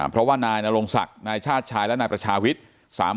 เพราะว่านายนรงศักดิ์นายชาติชายและนายประชาวิทย์